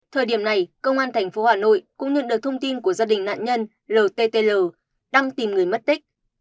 thời điểm này công an tp hà nội cũng nhận được thông tin của gia đình nạn nhân ltl đang tìm người mất tích